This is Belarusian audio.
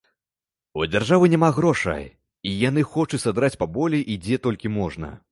У дзяржавы няма грошай, і яны хочуць садраць паболей, і дзе толькі можна.